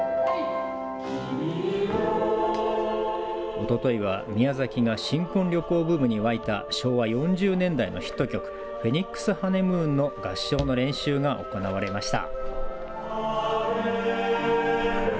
おとといは宮崎が新婚旅行ブームに沸いた昭和４０年代のヒット曲フェニックス・ハネムーンの合唱の練習が行われました。